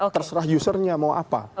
terserah usernya mau apa